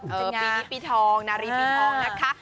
ปีนี้ปีทองนารีปีทองนะคะ